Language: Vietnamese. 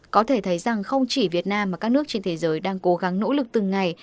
có thể thấy rằng không chỉ việt nam mà các nước trên thế giới đang cố gắng nỗ lực từng ngày